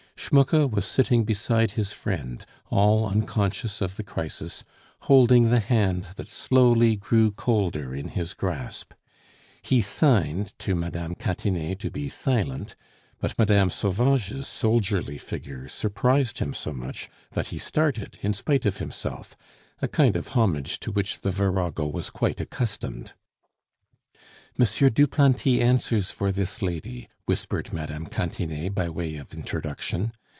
Schmucke was sitting beside his friend, all unconscious of the crisis, holding the hand that slowly grew colder in his grasp. He signed to Mme. Cantinet to be silent; but Mme. Sauvage's soldierly figure surprised him so much that he started in spite of himself, a kind of homage to which the virago was quite accustomed. "M. Duplanty answers for this lady," whispered Mme. Cantinet by way of introduction.